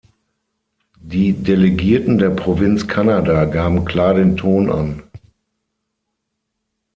Die Delegierten der Provinz Kanada gaben klar den Ton an.